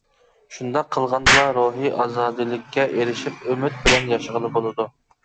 شۇنداق قىلغاندىلا روھىي ئازادىلىككە ئېرىشىپ، ئۈمىد بىلەن ياشىغىلى بولىدۇ.